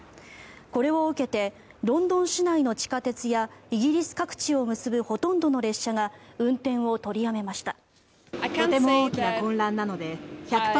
これを受けてロンドン市内の地下鉄やイギリス各地を結ぶほとんどの列車が運転を取りやめました。